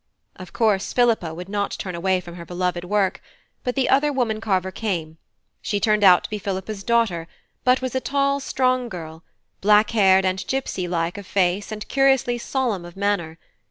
Of course, Philippa would not turn away from her beloved work; but the other woman carver came; she turned out to be Philippa's daughter, but was a tall strong girl, black haired and gipsey like of face and curiously solemn of manner.